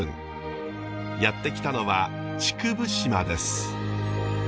やって来たのは竹生島です。